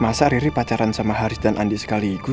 masa riri pacaran sama haris dan andi sekaligus